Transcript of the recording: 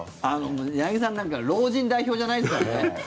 あの、柳澤さん老人代表じゃないですからね。